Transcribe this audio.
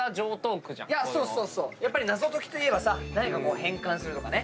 やっぱり謎解きといえばさ何か変換するとかね。